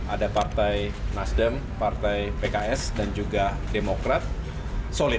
ada partai nasdem partai pks dan juga demokrat solid